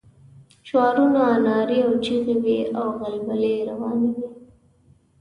شعارونه، نارې او چيغې وې او غلبلې روانې وې.